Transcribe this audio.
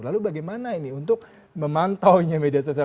lalu bagaimana ini untuk memantaunya media sosial